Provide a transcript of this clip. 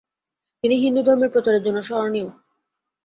তিনি হিন্দু ধর্মের প্রচারের জন্য স্মরণীয়।